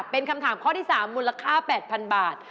เป็นคำถามข้อที่๓มูลค่า๘๐๐๐บาท